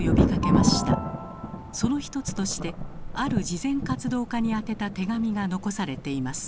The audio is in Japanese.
その一つとしてある慈善活動家に宛てた手紙が残されています。